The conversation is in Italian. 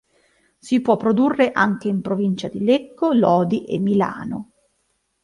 Si può produrre anche in provincia di Lecco, Lodi e Milano.